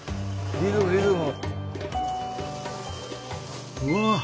リズムリズム。